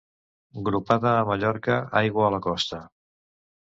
Gropada a Mallorca, aigua a la costa.